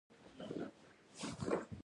د مېز له پاسه پرتې لمبې لوګی کاوه.